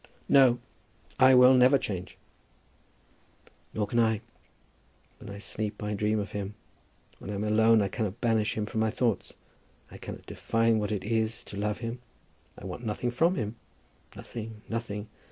"No; I will never change." "Nor can I. When I sleep I dream of him. When I am alone I cannot banish him from my thoughts. I cannot define what it is to love him. I want nothing from him, nothing, nothing.